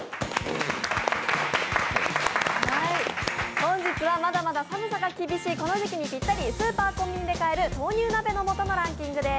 本日はまだまだ寒さが厳しいこの時期にピッタリスーパー・コンビニで買える豆乳鍋の素のランキングです。